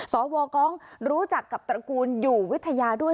สวกองรู้จักกับตระกูลอยู่วิทยาด้วย